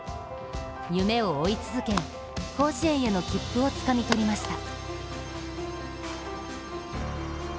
夢を追い続け、甲子園への切符をつかみとりました。